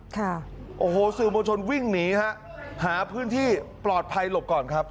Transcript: ค่ะโอ้โหสื่อมวลชนวิ่งหนีฮะหาพื้นที่ปลอดภัยหลบก่อนครับ